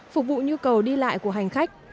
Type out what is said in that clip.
phục vụ nhu cầu đi lại của hành khách